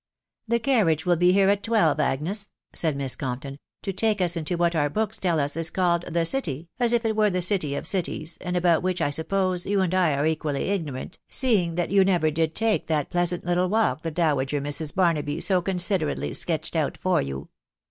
" The carriage will be here at twelve, Agnes/' said Miss Compton, " to take us into what our books tell us is called the city, as if it were the city of cities, and about which I suppose you and I are equally ignorant, seeing that you never did take that pleasant little walk the dowager Mrs. Barnaby so considerately sketched .out for you.